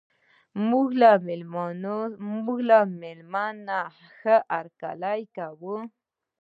موږ له میلمانه ښه هرکلی کوو.